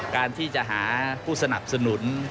การที่จะหาผู้สนับสนุน